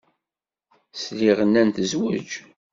Sliɣ nnan tezweǧ.